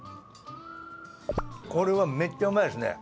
これはめっちゃうまいですね。